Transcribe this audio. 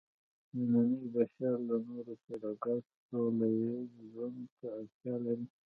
نننی بشر له نورو سره ګډ سوله ییز ژوند ته اړتیا لري.